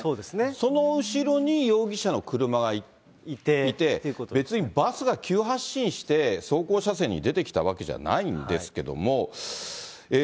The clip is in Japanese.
その後ろに容疑者の車がいて、別にバスが急発進して、走行車線に出てきたわけじゃないんですけども。